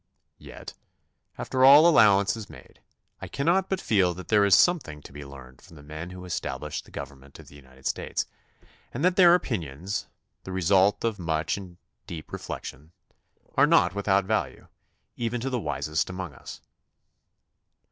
Yet, after all allowance is made, I cannot but feel that there is something to be learned from the men who established the govern ment of the United States, and that their opinions, 40 THE CONSTITUTION AND ITS MAKERS the result of much and deep reflection, are not without value, even to the wisest among us.